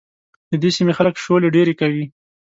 د دې سيمې خلک شولې ډېرې کري.